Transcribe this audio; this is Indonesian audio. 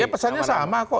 ya pesannya sama kok